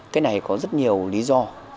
cái này có rất nhiều lý do